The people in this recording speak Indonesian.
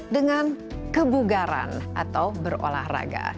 dengan kebugaran atau berolahraga